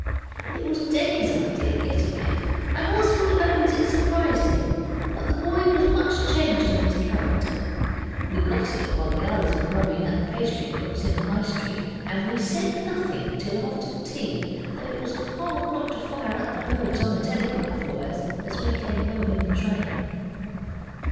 It was Denny's idea getting it; and Oswald owns it surprised him, but the boy was much changed in his character. We got it while the others were grubbing at the pastry cook's in the High Street, and we said nothing till after tea, though it was hard not to fire at the birds on the telegraph wires as we came home in the train.